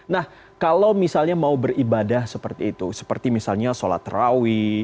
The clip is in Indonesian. nah kalau misalnya mau beribadah seperti itu seperti misalnya sholat terawih